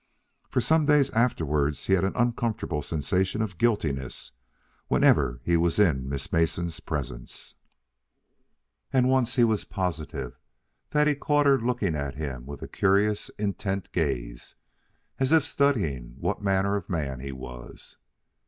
For some days afterward he had an uncomfortable sensation of guiltiness whenever he was in Miss Mason's presence; and once he was positive that he caught her looking at him with a curious, intent gaze, as if studying what manner of man he was.